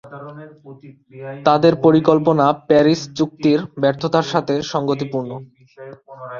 তাদের পরিকল্পনা প্যারিস চুক্তির ব্যর্থতার সাথে সঙ্গতিপূর্ণ।